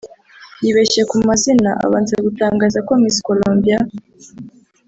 yibeshye ku mazina abanza gutangaza ko Miss Colombia